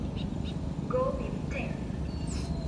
Go with ten!